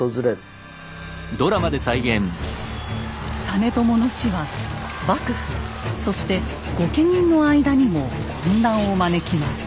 実朝の死は幕府そして御家人の間にも混乱を招きます。